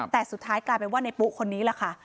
แต่สุดท้ายกลายเป็นว่าในปุ๊คนนี้แหละค่ะ